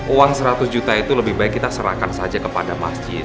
uang seratus juta itu lebih baik kita serahkan saja kepada masjid